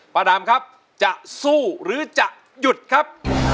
ดำครับจะสู้หรือจะหยุดครับ